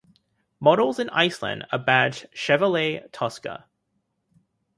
Models in Iceland are badged "Chevrolet Tosca".